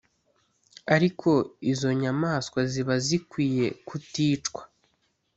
ariko izo nyamaswa ziba zikwiye kuticwa